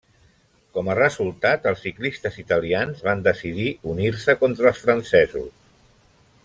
Com a resultat els ciclistes italians van decidir unir-se contra els francesos.